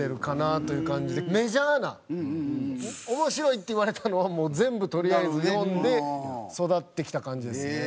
メジャーな面白いっていわれたのはもう全部とりあえず読んで育ってきた感じですね。